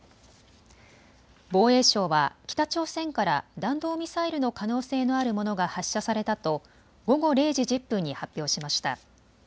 防衛省は北朝鮮から弾道ミサイルの可能性のあるものが発射されたと午後０時１０分に発表しました。